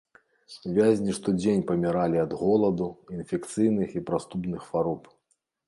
Вязні штодзень паміралі ад голаду, інфекцыйных і прастудных хвароб.